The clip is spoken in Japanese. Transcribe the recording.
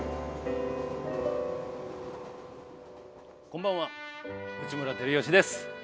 こんばんは内村光良です。